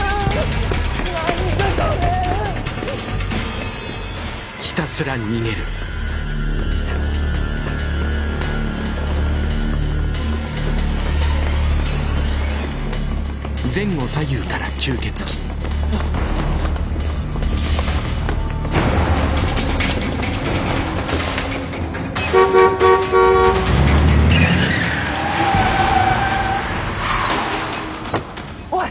何だこれ⁉おい！